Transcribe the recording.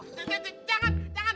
jangan jangan jangan